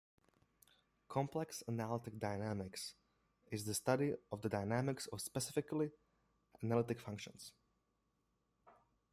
Complex analytic dynamics is the study of the dynamics of specifically analytic functions.